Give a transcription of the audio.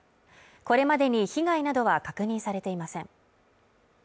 これまでに被害などは確認されていません。